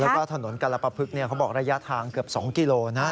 แล้วก็ถนนกรปภึกเขาบอกระยะทางเกือบ๒กิโลนะ